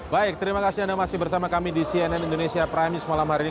baik terima kasih anda masih bersama kami di cnn indonesia prime news malam hari ini